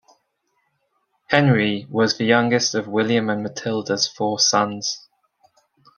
Henry was the youngest of William and Matilda's four sons.